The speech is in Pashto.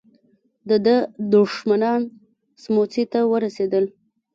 د ده دښمنان سموڅې ته ورسېدل.